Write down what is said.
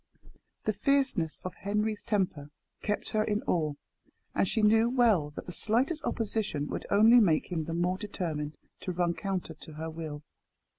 The fierceness of Henry's temper kept her in awe, and she knew well that the slightest opposition would only make him the more determined to run counter to her will.